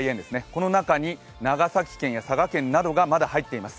この中に長崎県や佐賀県などがまだ入っています。